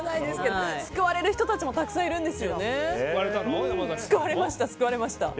救われる人たちもたくさんいるんですよね。